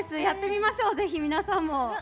やってみましょう、ぜひ皆さんも。